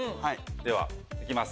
ではいきます